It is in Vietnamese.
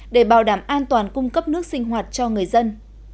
để bảo đảm an toàn cung cấp nước sinh hoạt cho người dân